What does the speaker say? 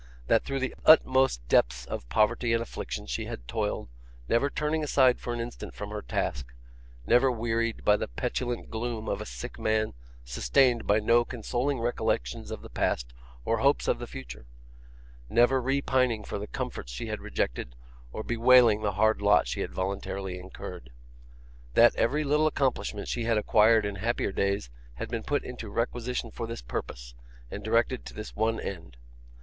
That through the utmost depths of poverty and affliction she had toiled, never turning aside for an instant from her task, never wearied by the petulant gloom of a sick man sustained by no consoling recollections of the past or hopes of the future; never repining for the comforts she had rejected, or bewailing the hard lot she had voluntarily incurred. That every little accomplishment she had acquired in happier days had been put into requisition for this purpose, and directed to this one end.